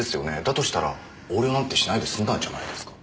だとしたら横領なんてしないですんだんじゃないですか？